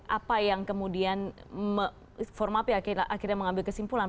apa yang kemudian formapi akhirnya mengambil kesimpulan